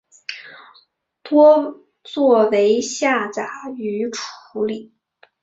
多做为下杂鱼处理。